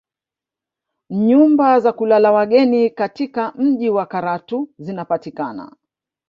Nyumba za kulala wageni katika mji wa Karatu zinapatikana